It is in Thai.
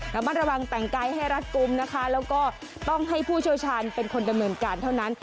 แล้วมันระวังแต่งกายให้รัฐกลุ่มนะคะแล้วก็ต้องให้ผู้โชชาญเป็นคนดำเหมือนกันเท่านั้น